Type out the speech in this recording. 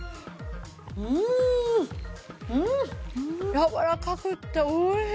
やわらかくておいしい！